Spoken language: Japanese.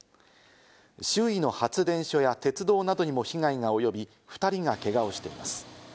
周囲の発電所や鉄道などにも被害が及び、２人がけがをしています。